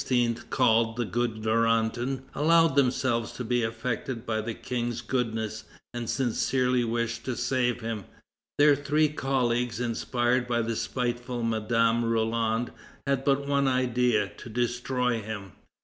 called "the good Duranton") allowed themselves to be affected by the King's goodness, and sincerely wished to save him, their three colleagues, inspired by the spiteful Madame Roland, had but one idea: to destroy him.